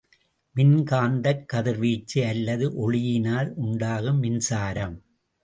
மின்காந்தக் கதிர்வீச்சு அல்லது ஒளியினால் உண்டாகும் மின்சாரம்.